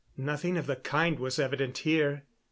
Nothing of the kind was evident here.